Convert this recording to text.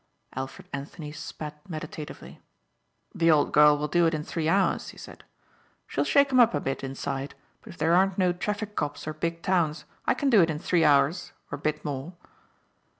Alfred Anthony spat meditatively. "The old girl will do it in three hours," he said, "she'll shake 'em up a bit inside but if there aren't no traffic cops or big towns I can do it in three hours or bit more."